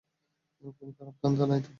কোন খারাপ ধান্ধা নাইতো?